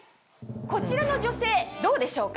こちらの女性どうでしょうか？